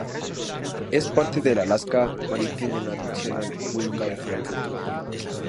Es parte del Alaska Maritime National Wildlife Refuge.